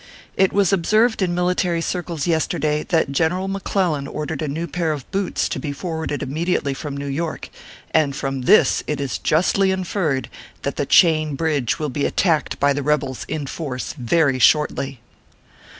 It was observed in military cir cles yesterday, that General McClellan ordered a new pair of boots to be forwarded immediately from New York, and from this it is justly inferred that the Chain Bridge will be attacked by the rebels in force very shortly.